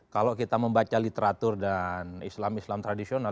kalau kita membaca literatur dan islam islam tradisional